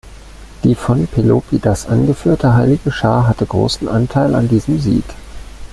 Die von Pelopidas angeführte Heilige Schar hatte großen Anteil an diesem Sieg.